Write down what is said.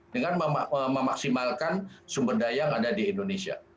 dengan memaksimalkan sumber daya yang ada di indonesia